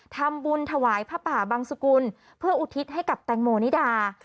ทำบุญถวายผ้าป่าบังสุกุลเพื่ออุทิศให้กับแตงโมนิดา